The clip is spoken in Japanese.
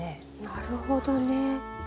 なるほどね。